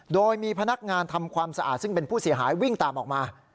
โดยมีพนักงานทำความสะอาดซึ่งเป็นผู้เสียหายวิ่งตามออกมา